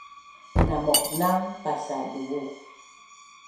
na muqnang pasaduu